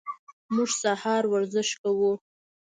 موږ سهار ورزش کوو.